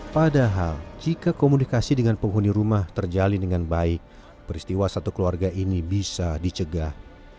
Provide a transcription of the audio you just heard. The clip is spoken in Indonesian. padahal jika komunikasi dengan penghuni rumah terjalin dengan baik peristiwa satu keluarga ini bisa dicegah